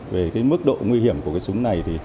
về mức độ nguy hiểm của súng này